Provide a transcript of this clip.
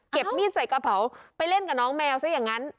มีดใส่กระเป๋าไปเล่นกับน้องแมวซะอย่างนั้น